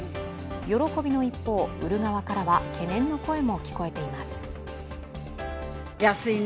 喜びの一方、売る側からは懸念の声も聞こえています。